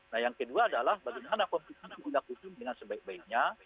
nah yang kedua adalah bagaimana konstitusi dilakukan dengan sebaik baiknya